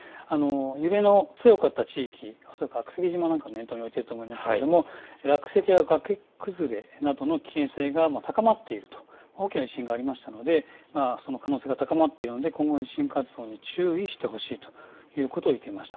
揺れの強かった地域悪石島なんかも念頭に置いてると思いますけども落石や崖崩れの危険性が高まっていると大きな地震がありましたのでその可能性が高まっているので今後の地震活動に注意してほしいということ言っていました。